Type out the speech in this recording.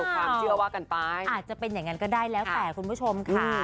ความเชื่อว่ากันไปอาจจะเป็นอย่างนั้นก็ได้แล้วแต่คุณผู้ชมค่ะ